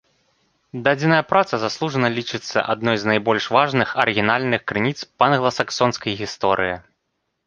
Дадзеная праца заслужана лічыцца адной з найбольш важных арыгінальных крыніц па англасаксонскай гісторыі.